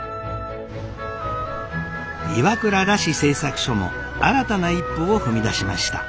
岩倉螺子製作所も新たな一歩を踏み出しました。